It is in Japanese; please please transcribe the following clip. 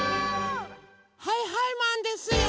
はいはいマンですよ！